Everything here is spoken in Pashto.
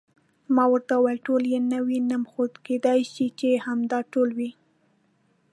ما ورته وویل: ټول یې نه وینم، خو کېدای شي چې همدا ټول وي.